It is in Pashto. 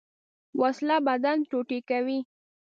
وسله بدن ټوټې کوي